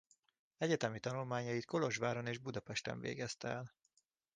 Egyetemi tanulmányait Kolozsváron és Budapesten végezte el.